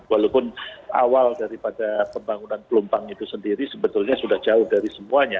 walaupun awal daripada pembangunan pelumpang itu sendiri sebetulnya sudah jauh dari semuanya